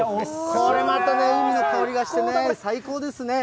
これまた海の香りがしてね、最高ですね。